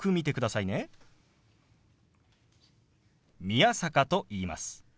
宮坂と言います。